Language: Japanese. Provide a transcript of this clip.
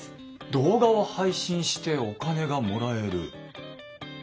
動画を配信してお金がもらえる。